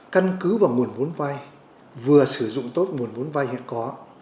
căn cứ vào nguồn vốn vay vừa sử dụng tốt nguồn vốn vay hiện có